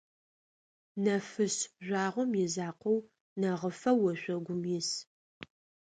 Нэфышъ жъуагъом изакъоу, нэгъыфэу ошъогум ис.